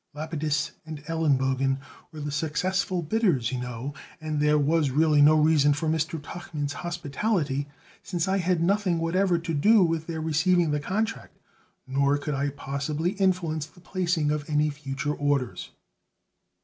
Lapidus & Elenbogen were the successful bidders, you know. And there was really no reason for Mr. Tuchman's hospitality, since I had nothing whatever to do with their receiving the contract, nor could I possibly influence the placing of any future orders."